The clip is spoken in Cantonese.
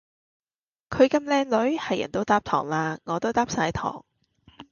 佢咁靚女，係人都嗒糖喇，我都嗒晒糖